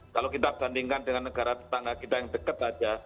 kalau kita bandingkan dengan negara tetangga kita yang dekat saja